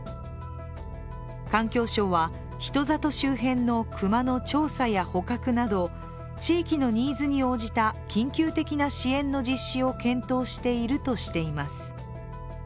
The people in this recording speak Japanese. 環境省は、人里周辺の熊の調査や捕獲など地域のニーズに応じた緊急的な支援の実施を検討しているとしています。